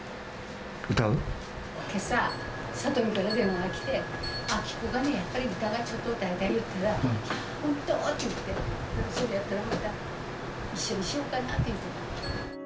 けさ、さとみから電話が来て、明子がね、やっぱり歌がちょっと歌いたいよって言ったら、本当って言って、それでまた一緒にしようかなっていって。